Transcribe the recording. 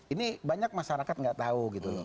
ini banyak masyarakat nggak tahu gitu loh